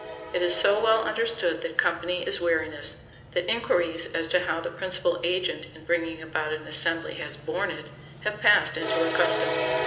It is so well understood that company is weariness, that inquiries as to how the principal agent in bringing about an assembly has "borne it," have passed into a custom.